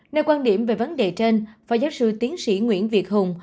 nơi quan điểm về vấn đề trên phó giáo sư tiến sĩ nguyễn việt hùng